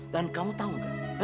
dan kamu tahu gak